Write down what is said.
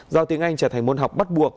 do tiếng anh trở thành môn học bắt buộc